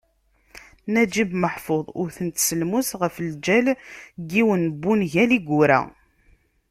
Naǧib Meḥfuḍ wten-t s lmus ɣef lǧal n yiwen n wungal i yura.